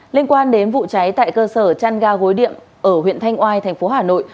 liên quan đến vụ cháy tại cơ sở trăn ga gối điệm ở huyện thanh oai tp hà nội